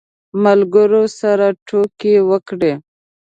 ملګرو سره ټوکې وکړې.